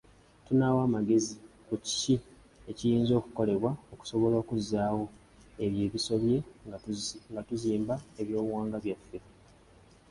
Tunaawa amagezi ku kiki ekiyinza okukolebwa okusobola okuzzaawo ebyo ebisobye nga tuzimba ebyobuwangwa byaffe.